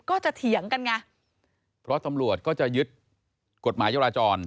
เถียงกันไงเพราะตำรวจก็จะยึดกฎหมายจราจร